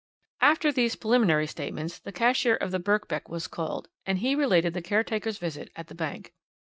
"After these preliminary statements the cashier of the Birkbeck was called and he related the caretaker's visit at the bank.